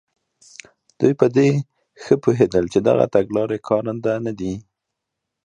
دوی پر دې ښه پوهېدل چې دغه تګلارې کارنده نه دي.